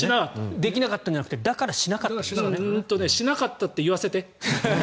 できなかったんじゃなくてしなかったって言わせて。